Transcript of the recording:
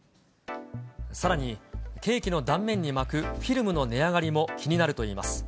さらにケーキの断面に巻くフィルムの値上がりも気になるといいます。